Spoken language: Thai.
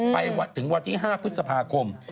ไปถึงวันที่๕พฤษภาคม